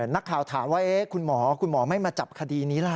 นักข่าวถามว่าคุณหมอคุณหมอไม่มาจับคดีนี้ล่ะ